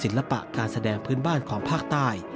ศิลปะการแสดงพื้นบ้านของภาคใต้